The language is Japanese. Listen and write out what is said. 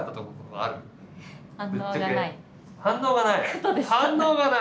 あ反応がない。